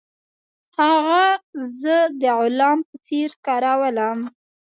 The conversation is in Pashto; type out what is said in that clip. هغه زه د غلام په څیر کارولم.